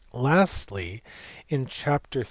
Lastly, in chapter xni.